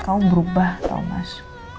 kamu berubah thomas